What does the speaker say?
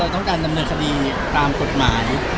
ต้องการดำเนินคดีตามกฎหมาย